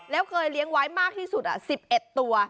แล้วเคยเลี้ยงไว้มากที่สุด๑๑ตัว